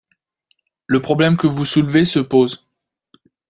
Le problème que vous soulevez se pose.